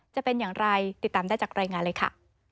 จะเป็นอย่างไรติดตามได้จากรายงานเลยค่ะ